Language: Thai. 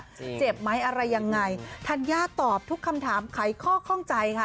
เจ็บไหมอะไรยังไงธัญญาตอบทุกคำถามไขข้อข้องใจค่ะ